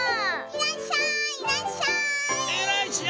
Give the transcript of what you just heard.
いらっしゃいいらっしゃい！